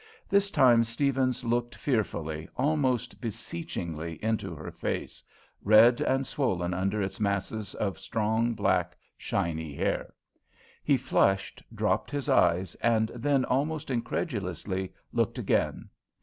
This time Steavens looked fearfully, almost beseechingly into her face, red and swollen under its masses of strong, black, shiny hair. He flushed, dropped his eyes, and then, almost incredulously, looked again.